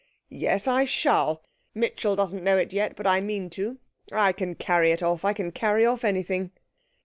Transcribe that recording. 'Yes, I shall; Mitchell doesn't know it yet, but I mean to. I can carry it off. I can carry off anything.'